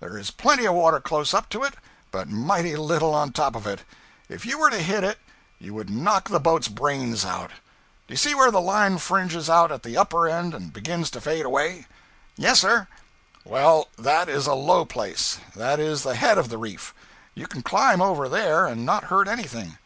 There is plenty of water close up to it, but mighty little on top of it. If you were to hit it you would knock the boat's brains out. Do you see where the line fringes out at the upper end and begins to fade away?' 'Yes, sir.' 'Well, that is a low place; that is the head of the reef. You can climb over there, and not hurt anything.